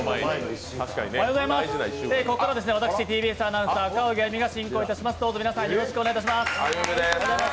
ここから私、ＴＢＳアナウンサー赤荻歩が進行いたします。